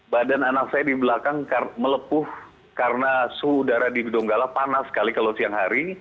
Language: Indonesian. badan anak saya di belakang melepuh karena suhu udara di donggala panas sekali kalau siang hari